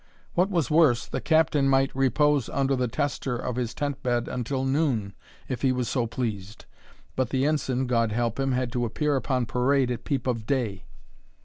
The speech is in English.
What was worse, the Captain might repose under the tester of his tent bed until noon, if he was so pleased; but the Ensign, God help him, had to appear upon parade at peep of day.